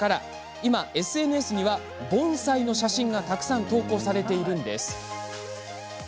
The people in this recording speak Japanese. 今ＳＮＳには、盆栽の写真がたくさん投稿されているんです。